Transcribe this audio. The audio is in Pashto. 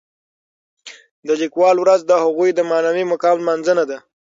د لیکوالو ورځ د هغوی د معنوي مقام لمانځنه ده.